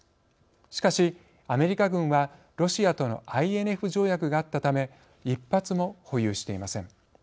しかしアメリカ軍はロシアとのＩＮＦ条約があったため１発も保有していません。